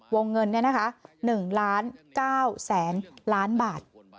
วงเงิน๑๐๙๐๐๐๐๐๐บาท